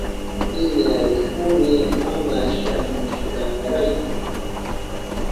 Piñarihuni mana shamuhushkanrayku.